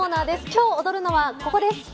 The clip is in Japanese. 今日踊るのはここです。